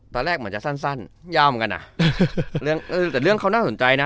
ตอนแรกเหมือนจะสั้นสั้นยาวเหมือนกันอ่ะเรื่องเออแต่เรื่องเขาน่าสนใจนะ